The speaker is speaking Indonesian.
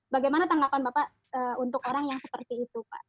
bagaimana tanggapan bapak untuk orang yang seperti itu pak